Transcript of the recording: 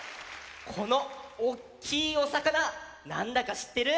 このおっきいおさかななんだかしってる？